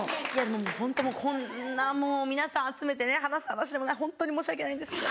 ホントこんなもう皆さん集めてね話す話でもないホントに申し訳ないんですけど。